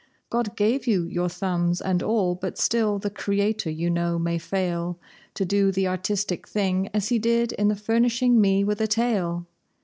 God gave you your thumbs and all, but still, the Creator, you know, may fail To do the artistic thing, as he did in the furnishing me with a tail."